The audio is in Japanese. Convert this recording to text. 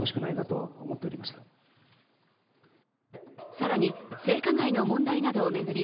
更に性加害の問題などを巡り